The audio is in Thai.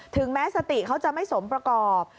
ถึงแม้สติเขาจะไม่สมประกอบ